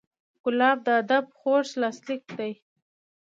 ګلاب د ادب خوږ لاسلیک دی.